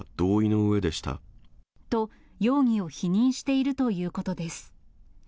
と、容疑を否認しているということです。